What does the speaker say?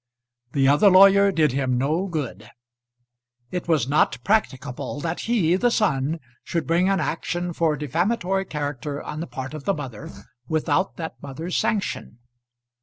The other lawyer did him no good. It was not practicable that he, the son, should bring an action for defamatory character on the part of the mother, without that mother's sanction.